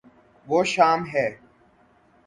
وہ شام ہے